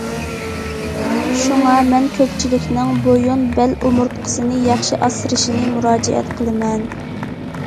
شۇڭا، مەن كۆپچىلىكنىڭ بويۇن بەل ئومۇرتقىسىنى ياخشى ئاسرىشىنى مۇراجىئەت قىلىمەن.